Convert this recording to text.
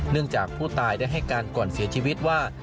จากผู้ตายได้ให้การก่อนเสียชีวิตว่า